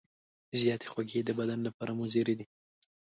زیاتې خوږې د بدن لپاره مضرې دي.